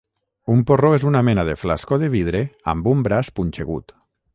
Un porró és una mena de flascó de vidre amb un braç punxegut